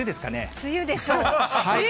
梅雨でしょう。